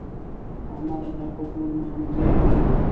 احمده! دا پټو لمانځي دی؟